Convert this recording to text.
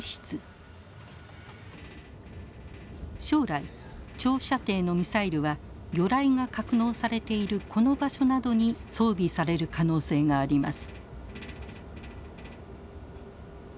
将来長射程のミサイルは魚雷が格納されているこの場所などに装備される可能性があります。